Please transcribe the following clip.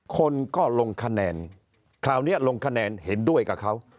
คนก็ลงคะแนนคราวนี้ลงคะแนนเห็นด้วยกับเขา